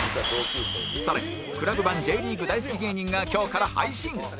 更に ＣＬＵＢ 版 Ｊ リーグ大好き芸人が今日から配信